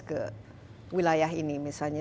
ke wilayah ini misalnya